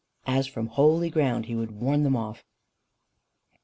As from holy ground, he would warn them off."